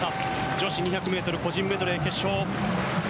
女子２００ｍ個人メドレー決勝。